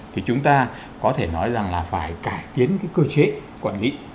thì chúng ta có thể nói rằng là phải cải tiến cái cơ chế quản lý